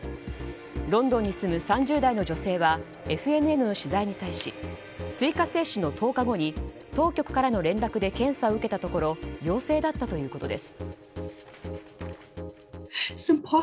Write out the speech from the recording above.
ロンドンに住む３０代の女性はＦＮＮの取材に対し追加接種の１０日後に当局からの連絡で検査を受けたところ陽性だったということです。